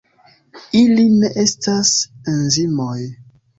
Ili ne estas enzimoj.